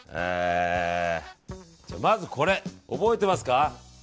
まず、これ覚えてますか。